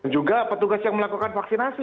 juga petugas yang melakukan vaksinasi